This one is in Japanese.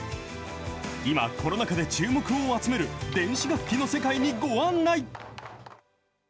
今、コロナ禍で注目を集める電子楽器の世界にご案内。